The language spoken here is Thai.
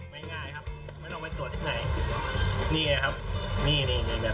ไม่ง่ายครับไม่ต้องไปตรวจไหนนี่แหละครับแบบนี้เลยตรวจมาให้